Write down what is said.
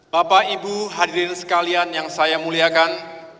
bapak ibu hadirin sekalian yang saya muliakan